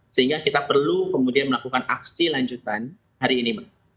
sehingga kita perlu kemudian melakukan aksi lanjutan hari ini